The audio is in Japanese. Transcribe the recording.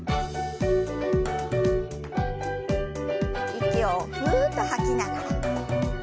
息をふっと吐きながら。